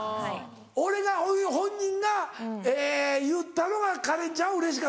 俺が本人が言ったのがカレンちゃんはうれしかったのか。